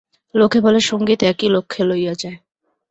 লোকে বলে, সঙ্গীত একই লক্ষ্যে লইয়া যায়।